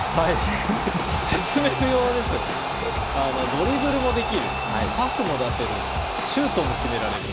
ドリブルもできるパスも出せるシュートも決められる。